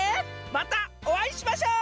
またおあいしましょう！